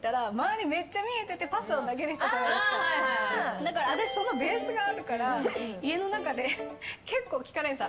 だから、私そのベースがあるから家の中で結構、聞かれるんですよ